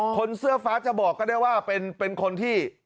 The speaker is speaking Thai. คนเสื้อฟ้าแหละ